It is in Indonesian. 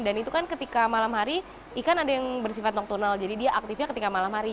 dan itu kan ketika malam hari ikan ada yang bersifat nokturnal jadi dia aktifnya ketika malam hari